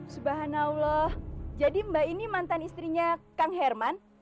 subhanallah jadi mbak ini mantan istrinya kang herman